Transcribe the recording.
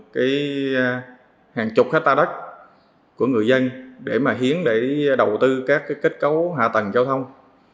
đưa ra hàng chục khách ta đất của người dân để mà hiến để đầu tư các kết cấu hạ tầng giao thông